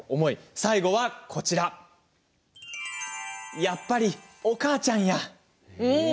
最後は「やっぱり、お母ちゃんや！」。